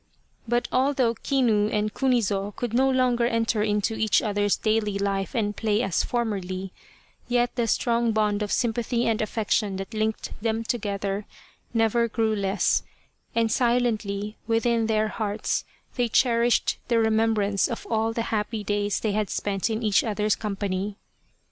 But although Kinu and Kunizo could no longer enter into each other's daily life and play as formerly, yet the strong bond of sympathy and affection that linked them together never grew less, and silently within their hearts they cherished the remembrance of all the happy days they had spent in each other's company.